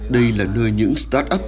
đây là nơi những start up